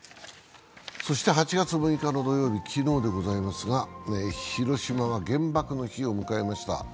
そして８月６日の土曜日、昨日でございますが広島は原爆の日を迎えました。